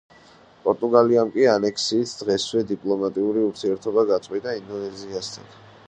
პორტუგალიამ კი ანექსიის დღესვე დიპლომატიური ურთიერთობა გაწყვიტა ინდონეზიასთან.